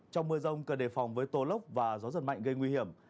trong mưa rông cần đề phòng với tô lốc và gió giật mạnh gây nguy hiểm